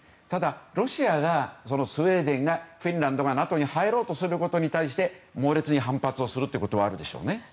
ただ、ロシアが、スウェーデンがフィンランドがＮＡＴＯに入ろうとすることについて猛烈に反発することはあるでしょうね。